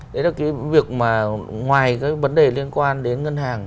đấy là cái việc mà ngoài cái vấn đề liên quan đến ngân hàng